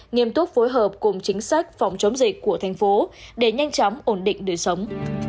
nghiêm túc phối hợp cùng chính sách phòng chống dịch của thành phố để nhanh chóng ổn định đời sống